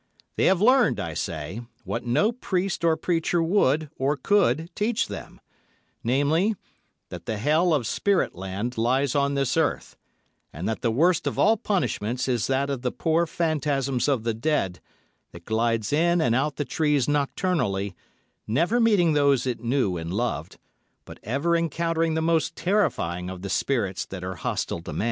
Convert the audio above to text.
They have learned, I say, what no priest or preacher would, or could, teach them, namely, that the hell of spirit land lies on this earth, and that the worst of all punishments is that of the poor phantasms of the dead, that glides in and out the trees nocturnally, never meeting those it knew and loved, but ever encountering the most terrifying of the spirits that are hostile to man.